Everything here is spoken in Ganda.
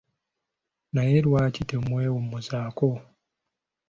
Naye lwaki temwewummuzaako.